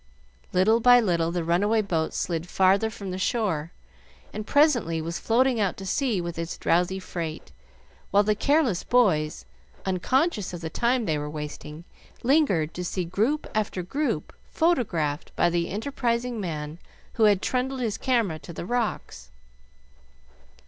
Little by little the runaway boat slid farther from the shore, and presently was floating out to sea with its drowsy freight, while the careless boys, unconscious of the time they were wasting, lingered to see group after group photographed by the enterprising man who had trundled his camera to the rocks.